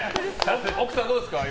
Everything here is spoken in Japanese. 奥さん、どうですか？